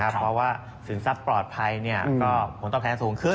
เพราะว่าสินทรัพย์ปลอดภัยก็ผลตอบแทนสูงขึ้น